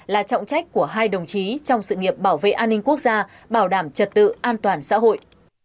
là trọng trách của hai đồng chí trong sự nghiệp bảo vệ an ninh quốc gia bảo đảm trật tự an toàn xã hội